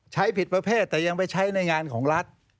ผิดประเภทแต่ยังไปใช้ในงานของรัฐ